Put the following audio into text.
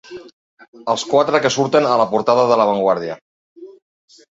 Els quatre que surten a la portada de La Vanguardia.